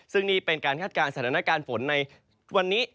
ซึ่งนี่เป็นการคาดการณ์สถานการณ์ฝนในวันนี้